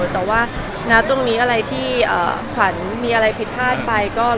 แต่ว่าณตรงนี้อะไรที่ขวัญมีอะไรผิดพลาดไป